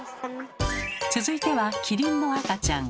続いてはキリンの赤ちゃん。